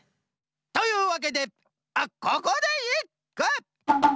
というわけでここでいっく！